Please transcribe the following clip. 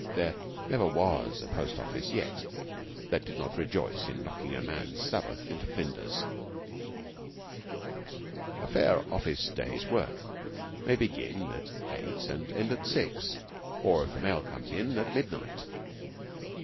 There never was a post office yet that did not rejoice in knocking a man's Sabbath into flinders. A fair office day's work may begin at eight and end at six, or, if the mail comes in, at midnight.